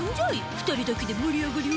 ２人だけで盛り上がりおって！